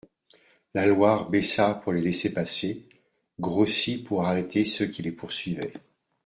La Loire baissa pour les laisser passer, grossit pour arrêter ceux qui les poursuivaient.